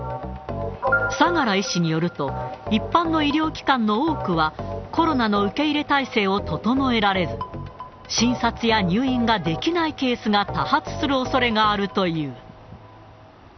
相良医師によると、一般の医療機関の多くは、コロナの受け入れ体制を整えられず、診察や入院ができないケースが多発するおそれがあるという。